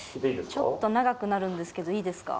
ちょっと長くなるんですけどいいですか？